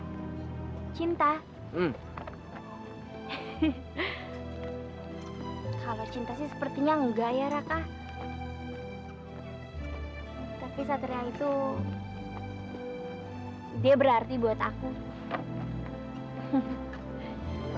dia berarti buat aku